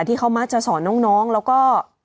ที่เขามักจะสอนน้องแล้วก็